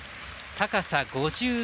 高さ５３ｍ。